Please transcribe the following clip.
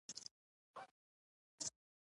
مګر فیصه ونه شوه.